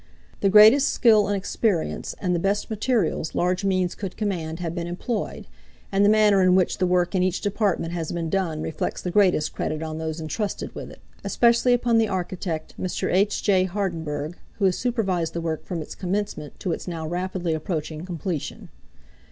The greatest skill and experience and the best materials large means could command have been employed, and the manner in which the work in each department has been done reflects the greatest credit on those intrusted with it, especially upon the architect, Mr. H.J. Hardenbergh, who has supervised the work from its commencement to its now rapidly approaching completion.